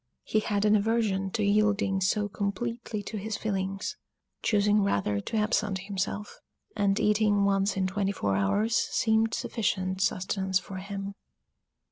He had an aversion to yielding so completely to his feelings, choosing rather to absent himself; and eating once in twenty four hours seemed sufficient sustenance for him.